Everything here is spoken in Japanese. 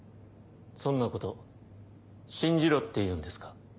そんなこと信じろっていうんですか？